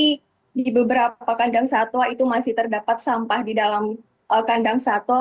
jadi di beberapa kandang satwa itu masih terdapat sampah di dalam kandang satwa